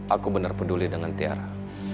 aku benar peduli dengan tiara